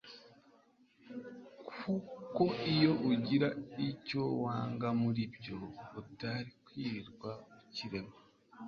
kuko iyo ugira icyo wanga muri byo, utari kwirirwa ukirema